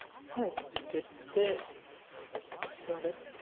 出てこれ。